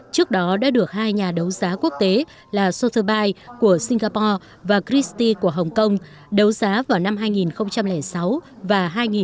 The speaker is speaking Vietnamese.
trước đó đã được hai nhà đấu giá quốc tế là sotheby s của singapore và christie của hong kong đấu giá vào năm hai nghìn sáu và hai nghìn một mươi bốn